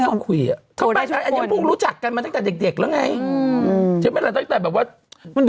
ไม่ค่อยคุยอะเข้าไปอันนี้พูดรู้จักกันมาตั้งแต่เด็กแล้วไงใช่ไหมตั้งแต่แบบว่า